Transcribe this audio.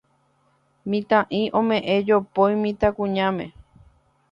Mitã'i ome'ẽ jopói mitãkuñáme.